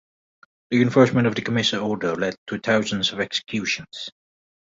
The enforcement of the Commissar Order led to thousands of executions.